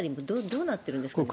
どうなっているんですかね。